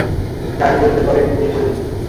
গাড়ি পরিষ্কার করে ঘুমিয়ে পড়েছি।